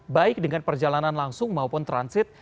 baik dengan perjalanan langsung maupun transit